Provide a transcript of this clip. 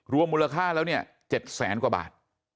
รวมมูลค่าแล้วเนี่ย๗๐๐กว่าบาท